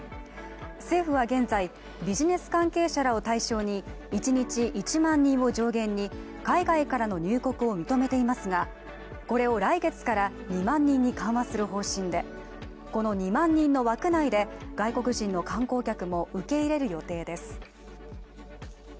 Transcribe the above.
政府は現在、ビジネス関係者らを対象に、１日１万人を上限に海外からの入国を認めていますが、これを来月から２万人に緩和する方針で、この２万人の枠内で外国人の観光客も受け入れる予定です。